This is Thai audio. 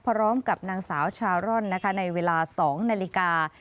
พร้อมกับนางสาวชาร่อนนะคะในเวลา๒นาฬิกา